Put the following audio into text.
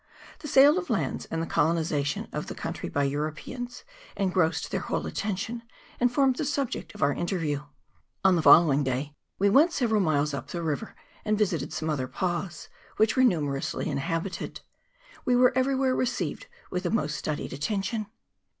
The sale of lands, and the colonization of the country by Euro peans, engrossed their whole attention, and formed the subject of our interview. On the following day we went several miles up the river, and visited some other pas, which were numerously inhabited; we were everywhere received with the most studied attention.